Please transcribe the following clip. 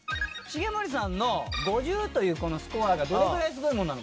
重盛さんの５０というスコアがどれぐらいすごいもんなのか。